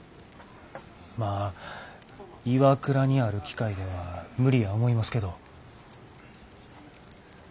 まあＩＷＡＫＵＲＡにある機械では無理や思いますけど。